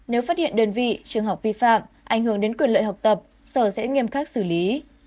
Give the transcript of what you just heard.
nếu phát hiện đơn vị trường học vi phạm ảnh hưởng đến quyền lợi học tập sở sẽ nghiêm khắc xử lý